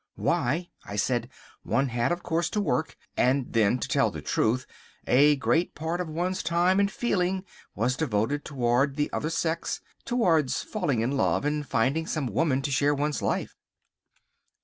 "Why," I said, "one had, of course, to work, and then, to tell the truth, a great part of one's time and feeling was devoted toward the other sex, towards falling in love and finding some woman to share one's life."